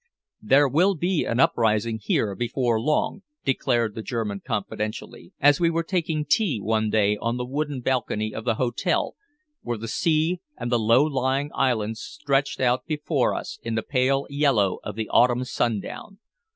"There will be an uprising here before long," declared the German confidentially, as we were taking tea one day on the wooden balcony of the hotel where the sea and the low lying islands stretched out before us in the pale yellow of the autumn sundown.